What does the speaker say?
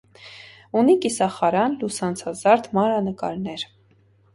Ունի կիսախարան, լուսանցազարդ մանրանկարներ։